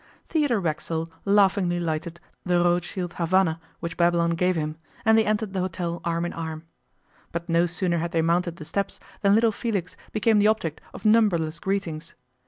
Theodore Racksole laughingly lighted the Rothschild Havana which Babylon gave him, and they entered the hotel arm in arm. But no sooner had they mounted the steps than little Felix became the object of numberless greetings.